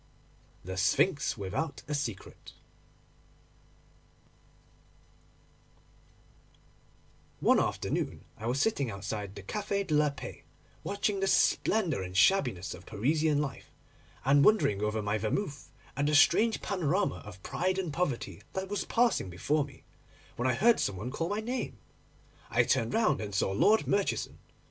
THE SPHINX WITHOUT A SECRET AN ETCHING ONE afternoon I was sitting outside the Café de la Paix, watching the splendour and shabbiness of Parisian life, and wondering over my vermouth at the strange panorama of pride and poverty that was passing before me, when I heard some one call my name. I turned round, and saw Lord Murchison.